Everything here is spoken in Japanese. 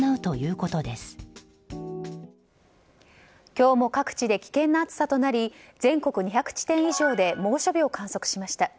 今日も各地で危険な暑さとなり全国２００地点以上で猛暑日を観測しました。